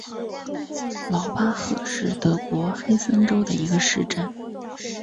劳巴赫是德国黑森州的一个市镇。